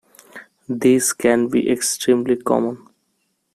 These can be extremely common.